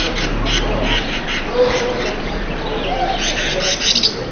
He was from Easter Inch in Bathgate.